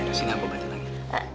aduh sini aku obatin lagi